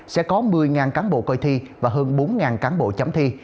sẽ có một mươi cán bộ coi thi và hơn bốn cán bộ chấm thi